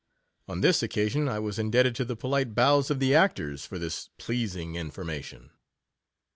On this occasion, I was indebted to the polite bows of the actors for this pleasing information.